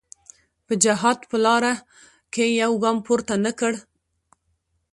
په جهاد په لاره کې یو ګام پورته نه کړ.